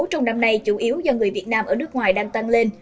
trong năm nay chủ yếu do người việt nam ở nước ngoài đang tăng lên